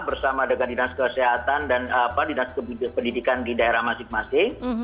bersama dengan dinas kesehatan dan dinas pendidikan di daerah masing masing